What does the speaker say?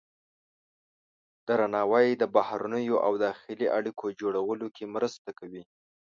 درناوی د بهرنیو او داخلي اړیکو جوړولو کې مرسته کوي.